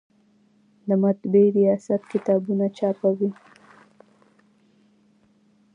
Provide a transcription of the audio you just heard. د مطبعې ریاست کتابونه چاپوي؟